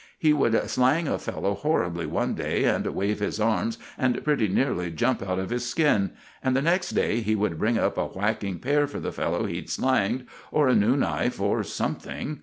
He would slang a fellow horribly one day, and wave his arms and pretty nearly jump out of his skin; and the next day he would bring up a whacking pear for the fellow he'd slanged, or a new knife or something.